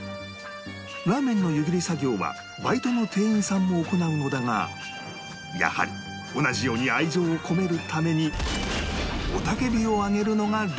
ラーメンの湯切り作業はバイトの店員さんも行うのだがやはり同じように愛情を込めるために